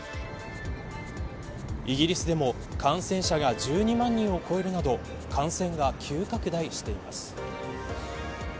イギリスでも感染者が１２万人を超えるなど感染が急拡大しています。